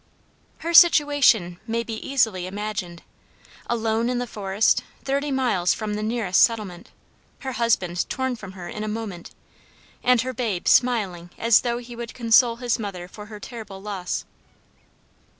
Her situation may be easily imagined: alone in the forest, thirty miles from the nearest settlement, her husband torn from her in a moment, and her babe smiling as though he would console his mother for her terrible loss.